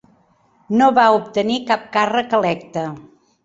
No va obtenir cap càrrec electe.